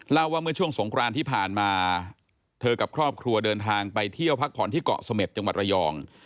เล่าว่าเมื่อช่วงสงครานที่ผ่านมาเธอกับครอบครัวเดินทางไปเที่ยวพักผ่อนที่เกาะเสม็ดจังหวัดระยอง